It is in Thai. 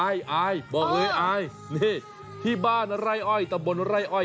อายบอกเลยอายนี่ที่บ้านไร่อ้อยตำบลไร่อ้อย